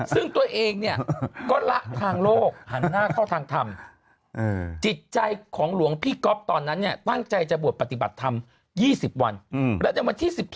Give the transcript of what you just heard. ซึ่งตัวเองก็ละทางโลกหันหน้าเข้าทางธรรม